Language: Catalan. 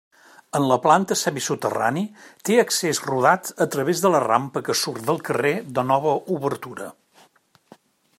En la planta semisoterrani, té accés rodat a través de la rampa que surt del carrer de nova obertura.